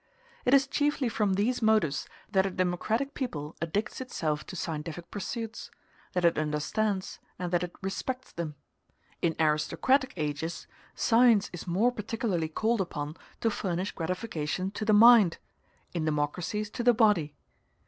It is chiefly from these motives that a democratic people addicts itself to scientific pursuits that it understands, and that it respects them. In aristocratic ages, science is more particularly called upon to furnish gratification to the mind; in democracies, to the body.